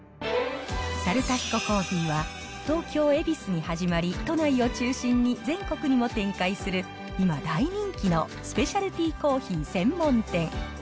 猿田彦珈琲は、東京・恵比寿に始まり、都内を中心に全国にも展開する、今大人気のスペシャルティコーヒーの専門店。